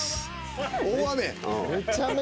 大雨。